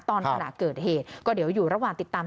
ขณะเกิดเหตุก็เดี๋ยวอยู่ระหว่างติดตาม